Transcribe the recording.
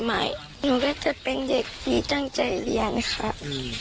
หนูก็จะเป็นเด็กที่ตั้งใจเรียนค่ะ